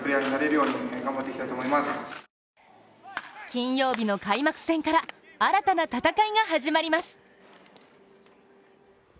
金曜日の開幕戦から新たな戦いが始まります。